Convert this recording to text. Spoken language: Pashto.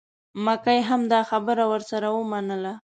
مکۍ هم دا خبره ورسره ومنله.